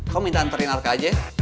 kamu minta antri anak kak aja